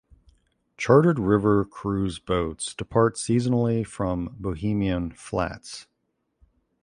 Chartered river cruise boats depart seasonally from Bohemian Flats.